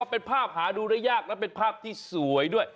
เป็นภาพหาดูได้ยากและเป็นภาพที่สวยด้วย